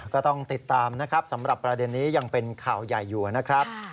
ก็ต้องติดตามนะครับสำหรับประเด็นนี้ยังเป็นข่าวใหญ่อยู่นะครับ